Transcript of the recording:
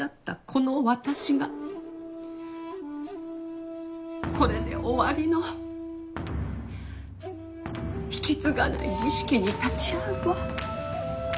この私がこれで終わりの引き継がない儀式に立ち会うわ。